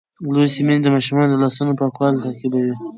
لوستې میندې د ماشوم د لاسونو پاکوالی تعقیبوي.